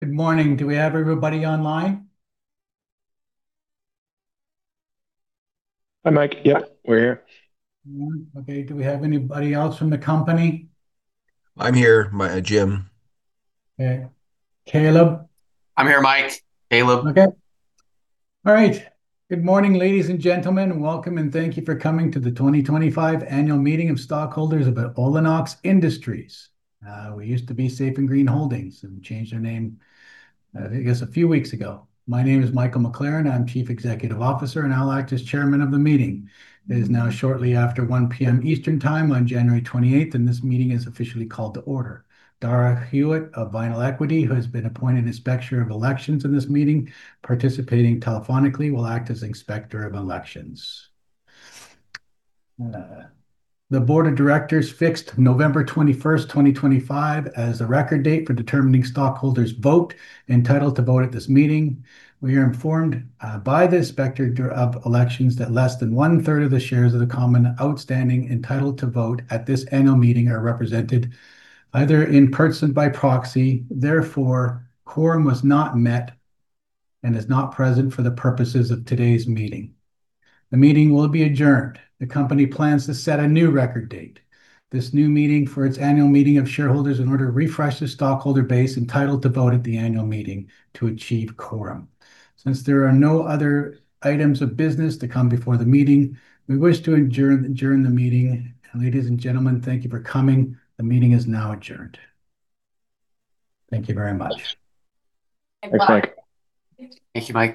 Good morning. Do we have everybody online? Hi, Mike. Yeah, we're here. Okay. Do we have anybody else from the company? I'm here. Mike, Jim. Okay. Caleb? I'm here, Mike. Caleb. Okay. All right. Good morning, ladies and gentlemen, and welcome, and thank you for coming to the 2025 Annual Meeting of Stockholders of Olenox Industries. We used to be Safe & Green Holdings and changed our name, I guess a few weeks ago. My name is Michael McLaren, I'm Chief Executive Officer, and I'll act as Chairman of the meeting. It is now shortly after 1 P.M. Eastern Time on January 28th, and this meeting is officially called to order. Daragh Hewitt of Vinyl Equity, who has been appointed Inspector of Elections in this meeting, participating telephonically, will act as Inspector of Elections. The Board of Directors fixed November 21, 2025, as the record date for determining stockholders entitled to vote at this meeting. We are informed by the Inspector of Elections that less than one-third of the shares of the common outstanding entitled to vote at this annual meeting are represented either in person by proxy; therefore, quorum was not met and is not present for the purposes of today's meeting. The meeting will be adjourned. The company plans to set a new record date. This new meeting for its annual meeting of shareholders in order to refresh the stockholder base entitled to vote at the annual meeting to achieve quorum. Since there are no other items of business to come before the meeting, we wish to adjourn the meeting. Ladies and gentlemen, thank you for coming. The meeting is now adjourned. Thank you very much. Thanks, Mike. Thank you, Mike.